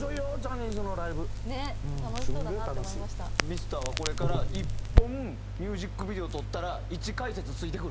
ミスターはこれから１本ミュージックビデオ撮ったら１解説ついてくるから。